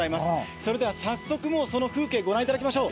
それでは早速、その風景、御覧いただきましょう。